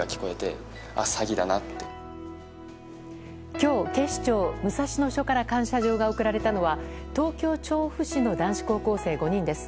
今日、警視庁武蔵野署から感謝状が贈られたのは東京・調布市の男子高校生５人です。